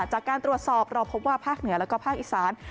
จากการตรวจสอบเราพบว่าภาคเหนือแล้วก็ภาคอีสาน